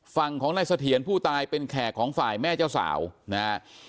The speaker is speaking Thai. ฝั่งของนายเสถียรผู้ตายเป็นแขกของฝ่ายแม่เจ้าสาวนะฮะ